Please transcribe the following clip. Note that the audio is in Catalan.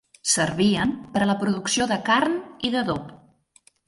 Servien per a la producció de carn i d'adob.